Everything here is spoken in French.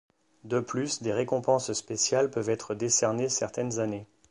De plus, des récompenses spéciales peuvent être décernées certaines années.